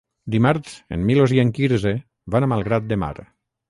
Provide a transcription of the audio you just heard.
Dimarts en Milos i en Quirze van a Malgrat de Mar.